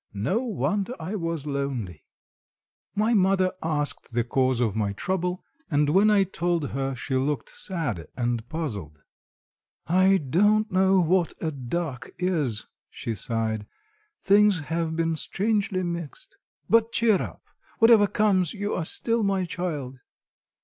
No wonder I was lonely. My mother asked the cause of my trouble, and when I told her she looked sad and puzzled. "I don't know what a duck is," she sighed, "things have been strangely mixed. But cheer up. Whatever comes you are still my child."